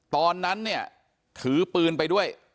ตอนนั้นเนี่ยถือปืนไปด้วย